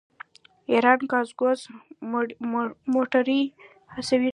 ایران ګازسوز موټرې هڅوي.